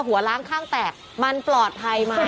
หัวล้างข้างแตกมันปลอดภัยไหม